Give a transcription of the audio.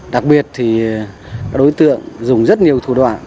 đặc biệt thì các đối tượng dùng rất nhiều thủ đoạn